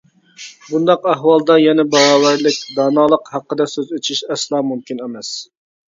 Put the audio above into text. بۇنداق ئەھۋالدا يەنە باراۋەرلىك، دانالىق ھەققىدە سۆز ئېچىش ئەسلا مۇمكىن ئەمەس.